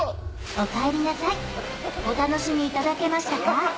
おかえりなさいお楽しみいただけましたか？